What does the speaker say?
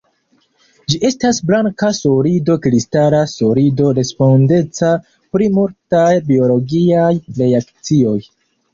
Ĝi estas blanka solido kristala solido respondeca pri multaj biologiaj reakcioj.